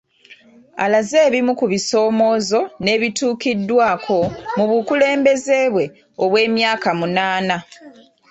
Alaze ebimu ku bisoomoozo n'ebituukiddwako mu bukulembeze bwe obw'emyaka munaana